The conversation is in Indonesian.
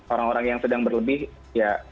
orang orang yang sedang berlebih ya